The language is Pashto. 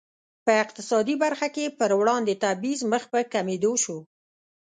په اقتصادي برخه کې پر وړاندې تبعیض مخ په کمېدو شو.